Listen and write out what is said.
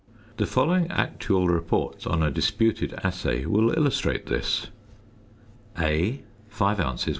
The following actual reports on a disputed assay will illustrate this: (a) 5 ozs.